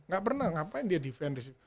gak pernah ngapain dia defend receive